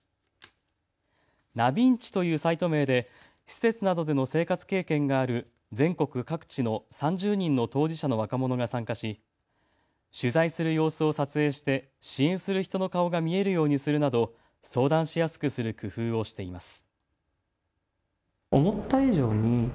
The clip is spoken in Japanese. なびんちというサイト名で施設などでの生活経験がある全国各地の３０人の当事者の若者が参加し取材する様子を撮影して支援する人の顔が見えるようにするなど相談しやすくする工夫をしています。